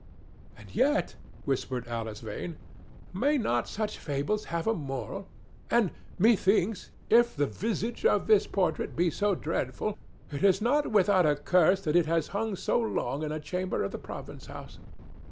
"And yet," whispered Alice Vane, "may not such fables have a moral? And methinks, if the visage of this portrait be so dreadful, it is not without a cause that it has hung so long in a chamber of the province house.